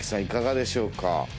いかがでしょうか？